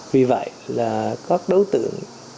vì vậy là các đối tượng